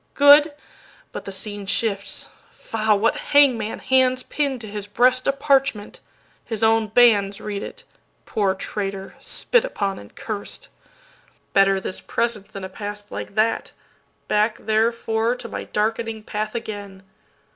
Good—but the scene shifts—faugh! what hangman handsPin to his breast a parchment? His own bandsRead it. Poor traitor, spit upon and curst! Better this present than a past like that; Back therefore to my darkening path again!